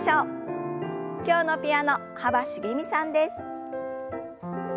今日のピアノ幅しげみさんです。